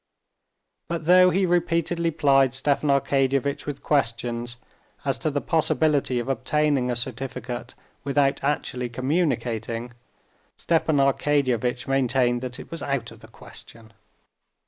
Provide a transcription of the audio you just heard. But though he repeatedly plied Stepan Arkadyevitch with questions as to the possibility of obtaining a certificate without actually communicating, Stepan Arkadyevitch maintained that it was out of the question.